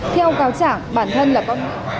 theo cáo trả bản thân là có